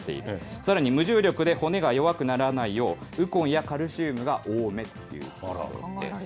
さらに無重力で骨が弱くならないよう、ウコンやカルシウムが多めということです。